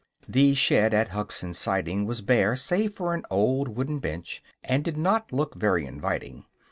The shed at Hugson's Siding was bare save for an old wooden bench, and did not look very inviting.